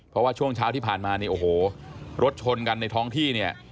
เพราะว่าช่วงเช้าที่ผ่านมานี่โอ้โหรถชนกันในท้องที่เนี่ย